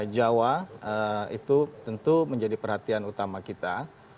jawa itu tentu menjadi perhatian utama kita